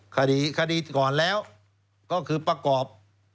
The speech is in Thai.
คดีคดีก่อนแล้วก็คือประกอบ